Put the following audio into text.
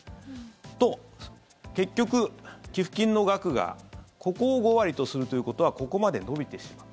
すると、結局、寄付金の額がここを５割とするということはここまで伸びてしまう。